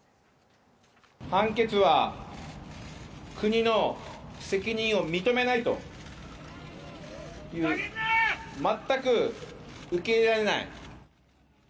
判決は、国の責任を認めないという、全く受け入れられない。